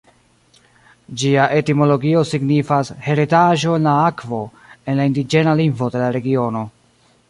Gia etimologio signifas "heredaĵo en la akvo", en la indiĝena lingvo de la regiono.